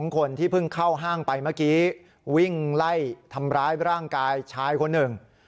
คนที่เพิ่งเข้าห้างไปเมื่อกี้วิ่งไล่ทำร้ายร่างกายชายคนหนึ่ง